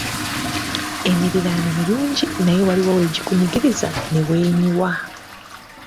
Emiriraano mirungi naye waliwo lwe gikunyigiriza ne weenyiwa.